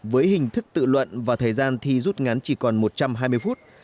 với hình thức tự luận và thời gian thi rút ngắn chỉ còn một trăm hai mươi phút